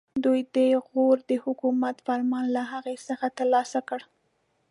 دوی د غور د حکومت فرمان له هغه څخه ترلاسه کړ.